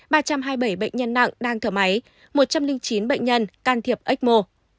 ba trăm hai mươi bảy bệnh nhân nặng đang thở máy một trăm linh chín bệnh nhân can thiệp ecmo